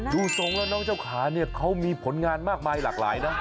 ทรงแล้วน้องเจ้าขาเนี่ยเขามีผลงานมากมายหลากหลายนะ